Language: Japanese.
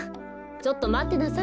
ちょっとまってなさい。